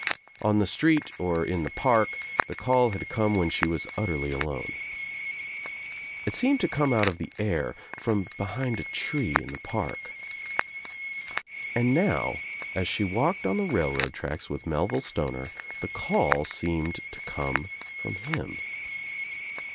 On the street or in the park the call had come when she was utterly alone. It seemed to come out of the air, from behind a tree in the park. And now as she walked on the railroad tracks with Melville Stoner the call seemed to come from him.